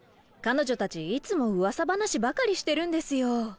彼女たちいつもウワサ話ばかりしてるんですよ。